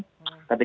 ketika dia berdua